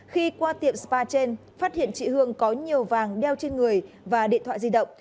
khi qua tiệm spa trên phát hiện chị hương có nhiều vàng đeo trên người và điện thoại di động